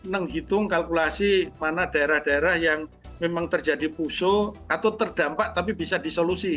menghitung kalkulasi mana daerah daerah yang memang terjadi pusuh atau terdampak tapi bisa disolusi